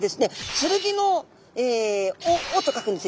「剣」の「尾」と書くんですね。